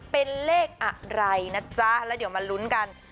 เป็นเลขอะไรนะจ๊ะแล้วเดี๋ยวมาลุ้นกัน